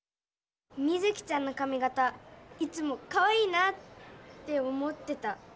ミズキちゃんのかみ形いつもかわいいなって思ってた。